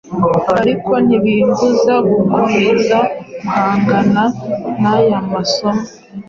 Ariko ntibimbuza gukomeza guhangana n’aya masomo